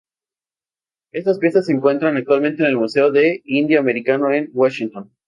Estas piezas se encuentran actualmente en el Museo del Indio Americano en Washington.